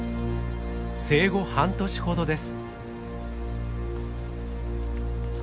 生後半年ほどです。